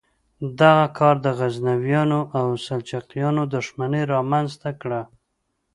دغه کار د غزنویانو او سلجوقیانو دښمني رامنځته کړه.